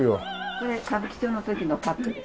これ歌舞伎町の時のカップです。